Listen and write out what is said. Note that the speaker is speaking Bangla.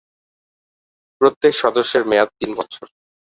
প্রত্যেক সদস্যের মেয়াদ তিন বছর।